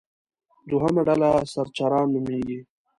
دوهمه ډله سرچران نومېږي.